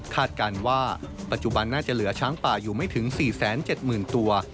การว่าปัจจุบันน่าจะเหลือช้างป่าอยู่ไม่ถึง๔๗๐๐๐ตัว